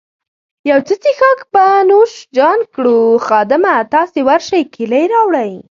یو څه څیښاک به نوش جان کړو، خادمه، تاسي ورشئ کیلۍ راوړئ.